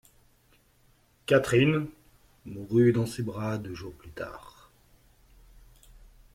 Catherine mourut dans ses bras deux jours plus tard.